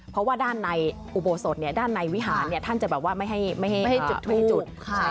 เพราะว่าด้านในอุโบสถด้านในวิหารท่านจะแบบว่าไม่ให้จุดทุกจุด